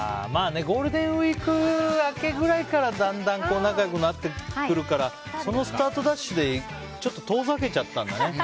まあゴールデンウィーク明けぐらいからだんだん、仲良くなってくるからそのスタートダッシュでちょっと遠ざけちゃったんだね。